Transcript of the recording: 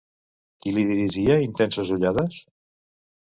Qui li dirigia intenses ullades?